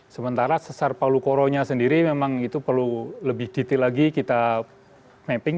sementara sesar palu koro nya sendiri memang itu perlu lebih detail lagi kita mapping